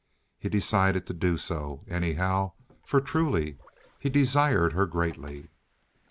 He decided to do so, anyhow, for truly he desired her greatly.